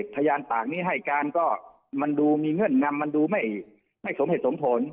พยานปากนี้ให้การก็มันดูมีเงื่อนงำมันดูไม่สมเหตุสมผล